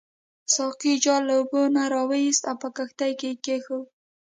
ساقي جال له اوبو نه راوایست او په کښتۍ کې کېښود.